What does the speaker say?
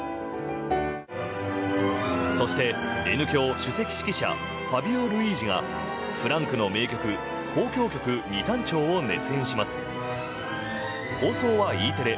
そして、Ｎ響首席指揮者ファビオ・ルイージがフランクの名曲「交響曲ニ短調」を熱演します。